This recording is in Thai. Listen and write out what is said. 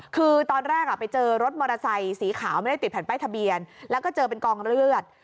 คือตอนแรกไปเจอรถมอเตอร์ไซค์สีขาวไม่ได้ติดแผ่นป้ายทะเบียนแล้วก็เจอเป็นกองเลือด